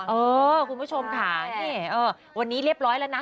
เออคุณผู้ชมค่ะนี่วันนี้เรียบร้อยแล้วนะ